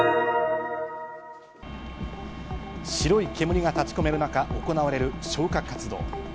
白い煙が立ち込める中、行われる消火活動。